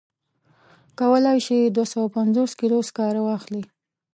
کولای شي دوه سوه پنځوس کیلو سکاره واخلي.